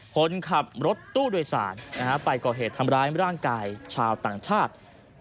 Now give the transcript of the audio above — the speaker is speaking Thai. คนขับรถตู้โดยสารไปก่อเหตุทำร้ายร่างกายชาวต่างชาติ